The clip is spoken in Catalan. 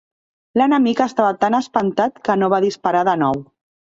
L'enemic estava tan espantat que no va disparar de nou.